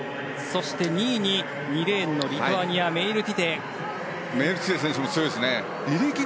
そして２位に２レーンのリトアニアメイルティテ。